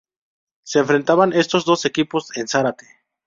Se enfrentaban estos dos equipos en Zárate.